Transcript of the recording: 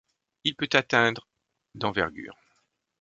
Il peut atteindre d'envergure.